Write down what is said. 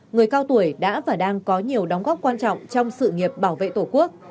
người cao tuổi đã và đang có nhiều đóng góp quan trọng trong sự nghiệp bảo vệ tổ quốc